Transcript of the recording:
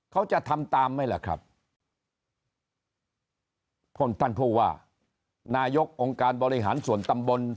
เขาจะทำตามไหมล่ะครับพลท่านผู้ว่านายกองค์การบริหารส่วนตำบล